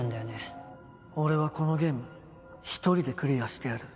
俺はこのゲーム一人でクリアしてやる。